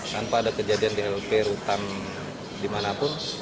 tanpa ada kejadian di lpr hutan dimanapun